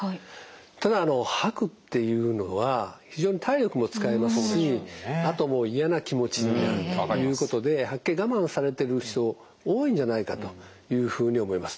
ただ吐くっていうのは非常に体力も使いますしあともう嫌な気持ちになるということで吐き気我慢されてる人多いんじゃないかというふうに思います。